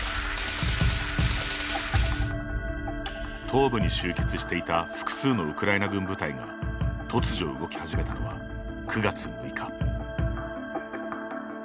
東部に集結していた複数のウクライナ軍部隊が突如動き始めたのは、９月６日。